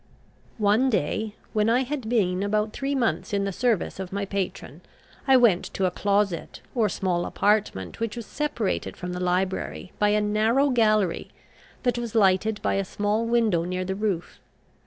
One day, when I had been about three months in the service of my patron, I went to a closet, or small apartment, which was separated from the library by a narrow gallery that was lighted by a small window near the roof.